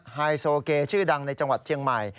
ไฮโซเกชื่อดังในจังหวัดเชียงใหม่